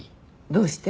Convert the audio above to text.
どうして？